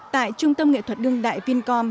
tại trung tâm nghệ thuật đương đại vincom